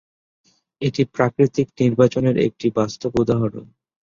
এটি প্রাকৃতিক নির্বাচনের একটি বাস্তব উদাহরণ।